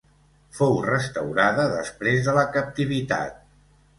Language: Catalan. Fou restaurada després de la captivitat.